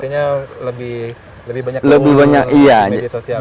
jadi lebih banyak media sosial